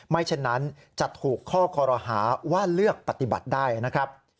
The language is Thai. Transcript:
เช่นนั้นจะถูกข้อคอรหาว่าเลือกปฏิบัติได้นะครับ